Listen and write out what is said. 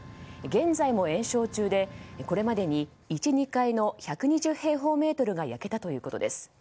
現在も延焼中でこれまでに１、２階の１２０平方メートルが焼けたということです。